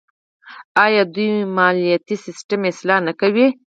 آیا دوی مالیاتي سیستم اصلاح نه کوي؟